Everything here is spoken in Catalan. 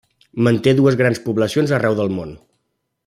Manté dues grans poblacions arreu del món.